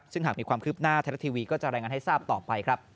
ซึ่งหากมีความคืบหน้าไทยรัฐทีวีก็จะรายงานให้ทราบต่อไปครับ